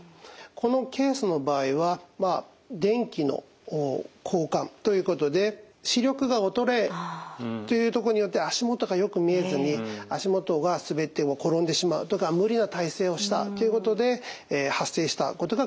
このケースの場合は電気の交換ということで視力が衰えというとこによって足元がよく見えずに足元が滑って転んでしまうとか無理な体勢をしたということで発生したことが考えられます。